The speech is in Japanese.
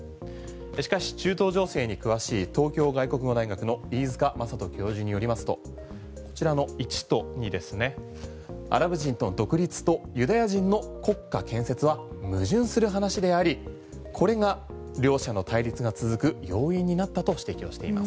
しかし中東情勢に詳しい東京外国語大学の飯塚正人教授によりますとこちらの１と２ですねアラブ人と独立とユダヤ人の国家建設は矛盾する話でありこれが両者の対立が続く要因になったと指摘をしています。